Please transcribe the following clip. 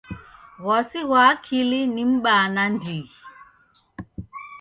W'asi ghwa akili ni m'baa nandighi.